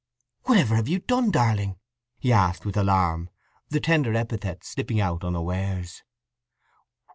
"Whatever have you done, darling?" he asked, with alarm, the tender epithet slipping out unawares.